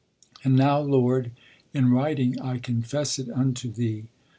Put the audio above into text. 'And now, Lord, in writing I confess it unto Thee.